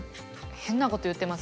変なこと言ってます